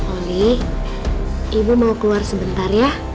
oli ibu mau keluar sebentar ya